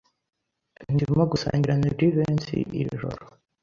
Ndimo gusangira na Jivency iri joro.